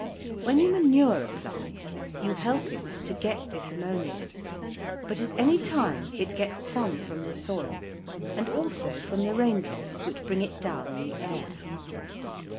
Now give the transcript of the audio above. When you manure a plant you help it to get this ammonia, but at any time it gets some from the soil and also from the rain drops which bring it down in the air.